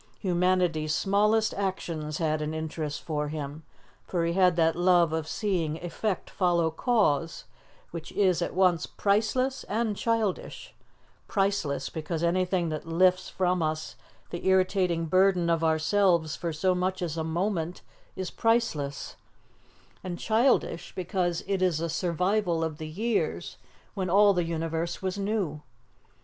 Humanity's smallest actions had an interest for him, for he had that love of seeing effect follow cause, which is at once priceless and childish priceless because anything that lifts from us the irritating burden of ourselves for so much as a moment is priceless; and childish because it is a survival of the years when all the universe was new.